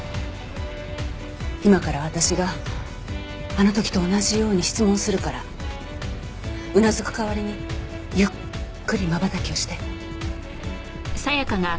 今から私があの時と同じように質問するからうなずく代わりにゆっくりまばたきをして。